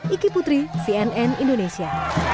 iki putri cnn indonesia